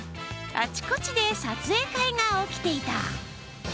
あちこちで撮影会が起きていた。